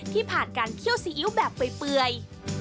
ผ่านการเคี่ยวซีอิ๊วแบบเปื่อย